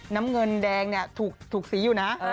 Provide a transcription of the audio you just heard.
น้ำเงินแดงเนี่ยถูกสีอยู่นะ